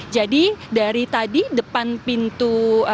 jadi dari tadi depan pintu